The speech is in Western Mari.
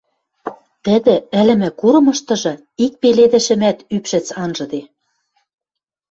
Тӹдӹ ӹлӹмӹ курымыштыжы ик пеледӹшӹмӓт ӱпшӹц анжыде.